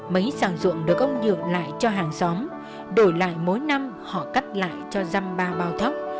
mấy sàng ruộng được ông nhược lại cho hàng xóm đổi lại mỗi năm họ cắt lại cho dăm ba bao thóc